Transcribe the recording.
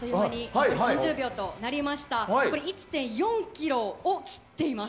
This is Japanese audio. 残り１．４ｋｍを切っています。